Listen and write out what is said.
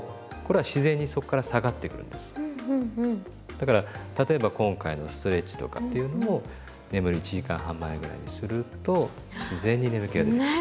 だから例えば今回のストレッチとかっていうのも眠る１時間半前ぐらいにすると自然に眠気が出てくる。